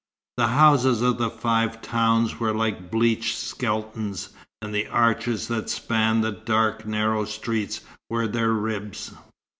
The houses of the five towns were like bleached skeletons, and the arches that spanned the dark, narrow streets were their ribs.